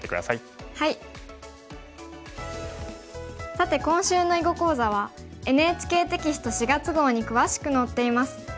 さて今週の囲碁講座はＮＨＫテキスト４月号に詳しく載っています。